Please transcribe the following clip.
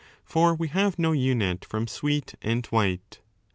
For we have no unit from sweet and white.